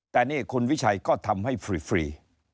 แต่นี่คุณวิชัยก็ทำให้ฟรี